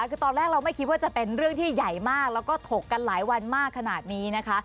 คือตอนแรกเราไม่คิดว่าจะเป็นเรื่องที่ใหญ่มากแล้วก็ถกกันหลายวันมากขนาดนี้นะคะ